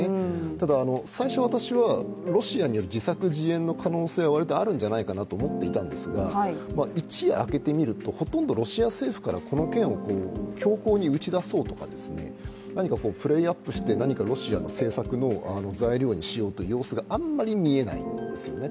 ただ、最初私はロシアによる自作自演の可能性はあるんじゃないかなと思っていたんですが一夜明けてみると、ほとんどロシア政府から強硬に打ち明けようとか、ロシアの政策の材料にしようという様子があんまり見えないんですよね。